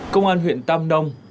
công an huyện tam đông